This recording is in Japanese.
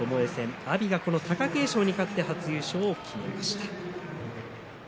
阿炎が貴景勝に勝って優勝しました。